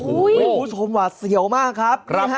อุ้ยคุณผู้ชมหลักเสี่ยวมากครับ